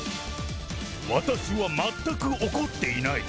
私は全く怒っていない。